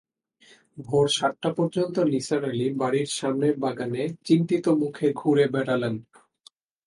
ভোর সাতটা পর্যন্ত নিসার আলি বাড়ির সামনের বাগানে চিন্তিত মুখে ঘুরে বেড়ালেন।